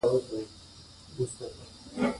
افغانستان د تالابونه د ترویج لپاره پروګرامونه لري.